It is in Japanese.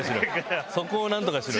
そこを何とかしろ！